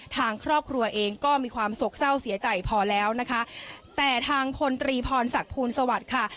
ทางครอบครัวเองก็มีความโศกเศร้าเสียใจพอแล้วนะคะแต่ทางพลตรีพรศักดิ์ภูลสวัสดิ์ค่ะ